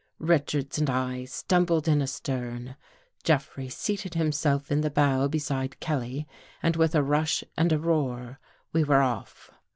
Richards and I tumbled in astern. Jeffrey seated himself in the bow beside Kelly and with a rush and a roar, we were off.